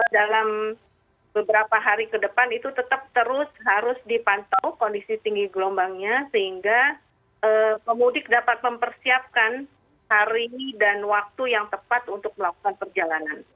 dalam beberapa hari ke depan itu tetap terus harus dipantau kondisi tinggi gelombangnya sehingga pemudik dapat mempersiapkan hari dan waktu yang tepat untuk melakukan perjalanan